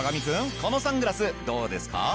このサングラスどうですか？